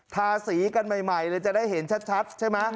ทาสีกันใหม่เลยจะได้เห็นชัดใช่ไหม